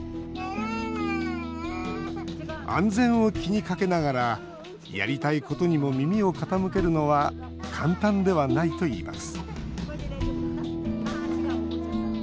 安全を気にかけながらやりたいことにも耳を傾けるのは簡単ではないといいます